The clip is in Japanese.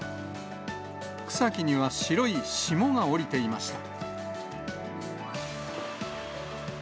草木には白い霜が降りていました。